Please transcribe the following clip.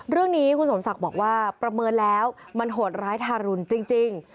เรื่องนี้คุณสมศักดิ์บอกว่าประเมินแล้วมันโหดร้ายทารุณจริง